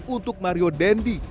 untuk mario dendy